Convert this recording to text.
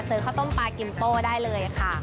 ข้าวต้มปลากิมโต้ได้เลยค่ะ